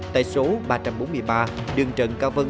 tại số ba trăm bốn mươi ba đường trần cao vân